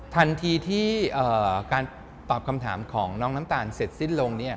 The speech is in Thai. ทันทีที่การตอบคำถามของน้องน้ำตาลเสร็จสิ้นลง